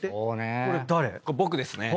これ僕ですね。